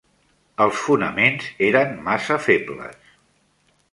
Els fonaments eren massa febles.